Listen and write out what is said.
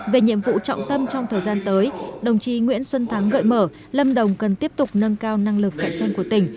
về nhiệm vụ trọng tâm trong thời gian tới đồng chí nguyễn xuân thắng gợi mở lâm đồng cần tiếp tục nâng cao năng lực cạnh tranh của tỉnh